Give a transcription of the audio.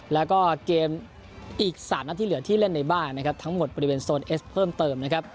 แล้วก็เกมอีก๓นัดที่เหลือที่เล่นในบ้านนะครับทั้งหมดบริเวณโซนเอสเพิ่มเติมนะครับ